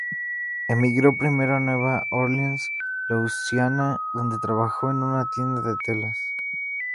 Emigró primero a Nueva Orleans, Louisiana, donde trabajó en una tienda de telas.